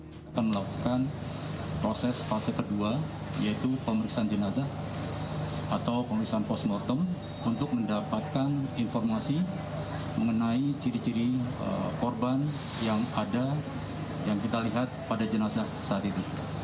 kita akan melakukan proses fase kedua yaitu pemeriksaan jenazah atau pemeriksaan postmortem untuk mendapatkan informasi mengenai ciri ciri korban yang ada yang kita lihat pada jenazah saat itu